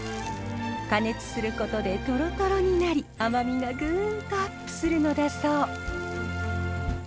加熱することでトロトロになり甘みがぐんとアップするのだそう。